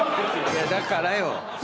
いやだからよ。